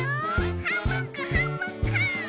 はんぶんこはんぶんこ！